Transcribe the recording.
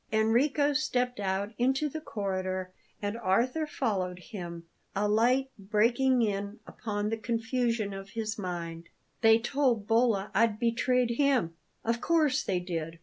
Enrico stepped out into the corridor and Arthur followed him, a light breaking in upon the confusion of his mind. "They told Bolla I'd betrayed him? Of course they did!